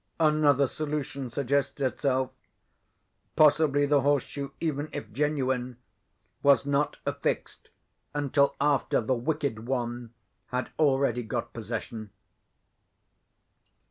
Another solution suggests itself. Possibly the horse shoe, even if genuine, was not affixed until after the Wicked One had already got possession.